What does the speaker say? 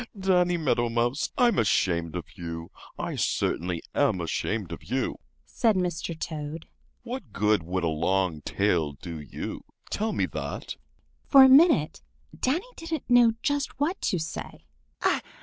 Danny Meadow Mouse, I'm ashamed of you! I certainly am ashamed of you!" said Mr. Toad. "What good would a long tail do you? Tell me that." For a minute Danny didn't know just what to say.